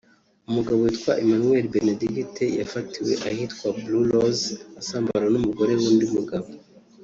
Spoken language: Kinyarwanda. umugabo witwa Emmanuel Benedict yafatiwe ahitwa Blue Roze asambana n’umugore w’undi mugabo